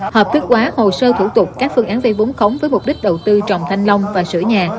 hợp thức hóa hồ sơ thủ tục các phương án vây vốn khống với mục đích đầu tư trồng thanh long và sửa nhà